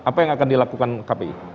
apa yang akan dilakukan kpi